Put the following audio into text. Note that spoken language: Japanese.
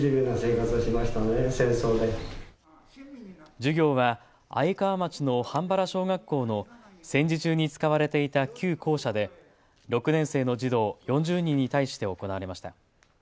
授業は愛川町の半原小学校の戦時中に使われていた旧校舎で６年生の児童４０人に対して行われました。